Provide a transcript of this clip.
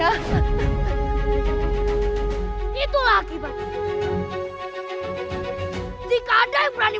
aku ingin pergi